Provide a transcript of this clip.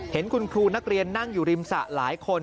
เห็นคุณครูนักเรียนนั่งอยู่ริมสระหลายคน